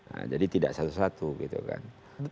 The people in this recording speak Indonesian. nah jadi tidak satu satu gitu kan